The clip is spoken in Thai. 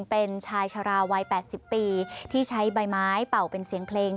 เป็นชายชะลาวัย๘๐ปีที่ใช้ใบไม้เป่าเป็นเสียงเพลง